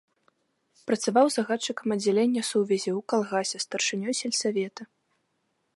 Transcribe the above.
Працаваў загадчыкам аддзялення сувязі, у калгасе, старшынёй сельсавета.